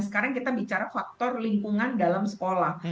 sekarang kita bicara faktor lingkungan dalam sekolah